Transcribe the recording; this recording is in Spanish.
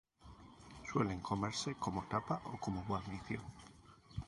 Suelen comerse como tapa o como guarnición.